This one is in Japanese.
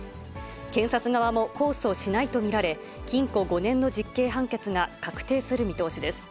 検察側も控訴しないと見られ、禁錮５年の実刑判決が確定する見通しです。